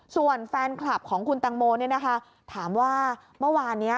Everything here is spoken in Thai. ส่วนแฟนคลับของคุณตังโมถามว่าเมื่อวานนี้